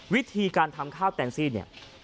วิธีการทำข้าวแตนซี่เนี่ย